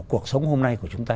cuộc sống hôm nay của chúng ta